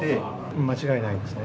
間違いないですね。